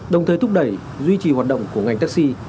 đồng thời thúc đẩy duy trì hoạt động của ngành taxi